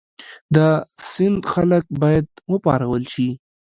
د سند خلک باید وپارول شي.